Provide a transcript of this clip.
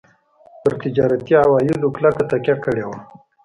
پر تجارتي عوایدو کلکه تکیه کړې وه.